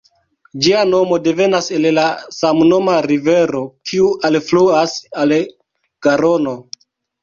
Ĝia nomo devenas el la samnoma rivero kiu alfluas al Garono.